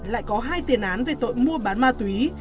lại có hai tiền án về tội mua bán ma túy